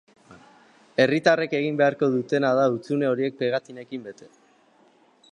Herritarrek egin beharko dutena da hutsune horiek pegatinekin bete.